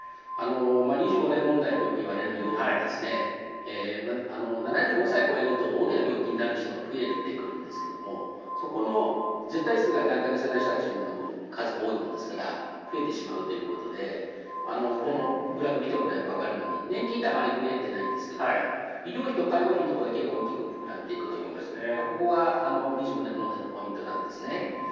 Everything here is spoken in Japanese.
２５年問題とよく言われるような７５歳を超えると大きな病気になる人が増えてくるんですがそこの絶対数が団塊の世代の人たちは数が多いものですから増えてしまうということでこのグラフを見てもらえばわかるように年金ってあまり増えてないんですが医療費、介護費だけが増えていくここが２５年問題のポイントなんですね。